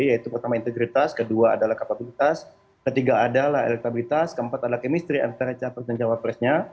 yaitu pertama integritas kedua adalah kapabilitas ketiga adalah elektabilitas keempat adalah kemistri antara cawa pres dan cawa presnya